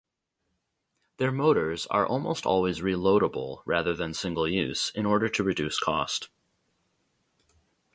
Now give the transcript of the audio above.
Their motors are almost always reloadable rather than single-use, in order to reduce cost.